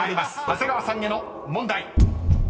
長谷川さんへの問題］